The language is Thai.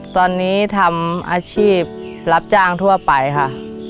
ตอนนี้ทำอาชีพรับจ้างทั่วไปค่ะ